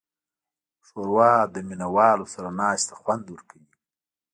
ښوروا له مینهوالو سره ناستې ته خوند ورکوي.